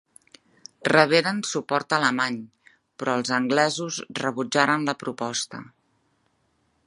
Reberen suport alemany, però els anglesos rebutjaren la proposta.